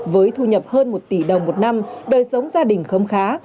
với thu nhập hơn một tỷ đồng một năm đời sống gia đình khấm khá